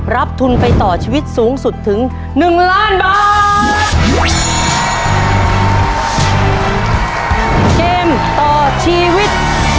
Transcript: รับทุนไปต่อชีวิตสูงสุดถึง๑ล้านบาท